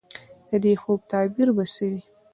د دې خوب تعبیر به څه وي ؟